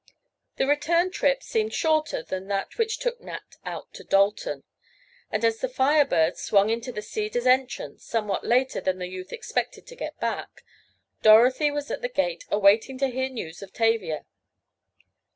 The return trip seemed shorter than that which took Nat out to Dalton, and as the Fire Bird swung into the Cedars' entrance somewhat later than the youth expected to get back, Dorothy was at the gate awaiting to hear news of Tavia.